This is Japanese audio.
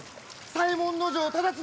左衛門尉忠次！